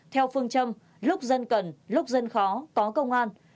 theo phương châm lúc dân cần lúc dân khó có công an